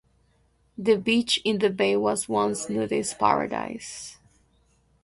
The beach in the bay was once nudist paradise.